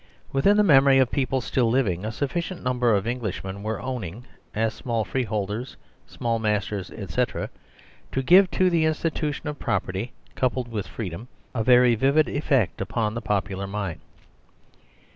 Within the memory of people still living a sufficient number of Englishmen were owning (as small free holders, small masters, etc.) to give to the institution of property coupled with freedom a very vivid effect upon the popular mind.